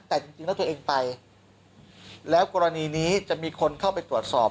แต่จริงแล้วตัวเองไปแล้วกรณีนี้จะมีคนเข้าไปตรวจสอบ